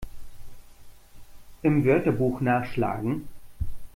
Im Wörterbuch nachschlagen!